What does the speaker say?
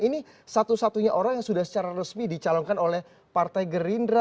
ini satu satunya orang yang sudah secara resmi dicalonkan oleh partai gerindra